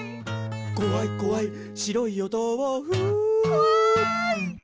「こわいこわい白いおとうふ」こわい！